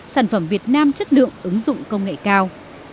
sản phẩm việt nam chất lượng ứng dụng công nghệ cao